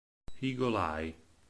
Eagle Eye